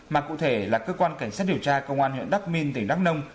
mà cụ thể là cơ quan cảnh sát điều tra công an huyện đắk minh tỉnh đắk nông